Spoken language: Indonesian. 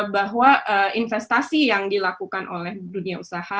bahwa investasi yang dilakukan oleh dunia usaha